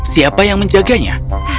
siapa yang menjaganya